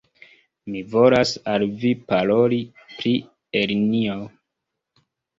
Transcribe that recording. Mi volas al Vi paroli pri Elinjo!